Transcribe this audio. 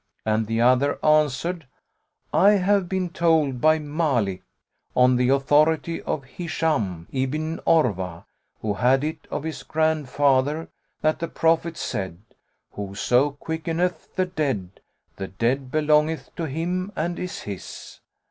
And the other answered, "I have been told by Mαlik, on the authority of Hishαm ibn Orwah,[FN#116] who had it of his (grand) father, that the Prophet said, Whoso quickeneth the dead, the dead belongeth to him and is his.'